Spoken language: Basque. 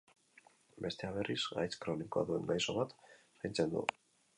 Besteak, berriz, gaitz kronikoa duen gaixo bat zaintzen du.